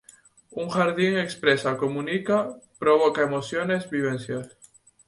Un jardín expresa, comunica, provoca emociones, vivencias.